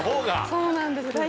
そうなんです。